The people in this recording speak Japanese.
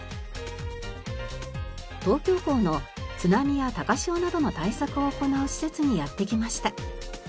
東京港の津波や高潮などの対策を行う施設にやって来ました。